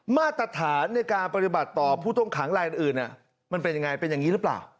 มาตรฐานในการปฏิบัติต่อผู้ต้องขังรายอื่นมันเป็นยังไงเป็นอย่างนี้หรือเปล่า